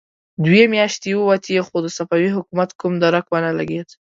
دوې مياشتې ووتې، خو د صفوي حکومت کوم درک ونه لګېد.